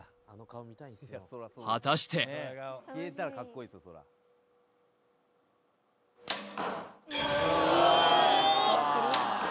果たしておおっ！